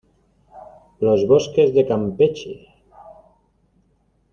los bosques de Campeche